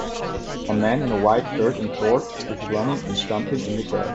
A man in a white shirt and shorts is running and jumping in the grass.